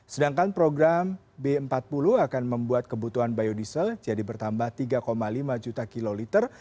sedangkan program b empat puluh akan membuat kebutuhan biodiesel jadi bertambah tiga lima juta kiloliter